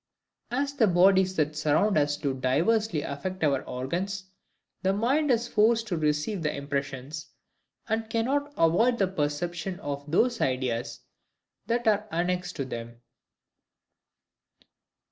As the bodies that surround us do diversely affect our organs, the mind is forced to receive the impressions; and cannot avoid the perception of those ideas that are annexed to them.